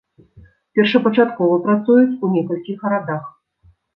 Першапачаткова працуюць ў некалькіх гарадах.